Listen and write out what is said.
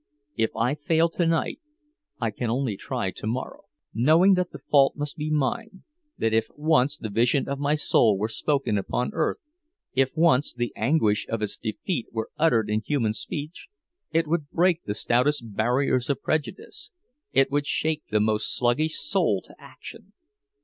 If I fail tonight, I can only try tomorrow; knowing that the fault must be mine—that if once the vision of my soul were spoken upon earth, if once the anguish of its defeat were uttered in human speech, it would break the stoutest barriers of prejudice, it would shake the most sluggish soul to action!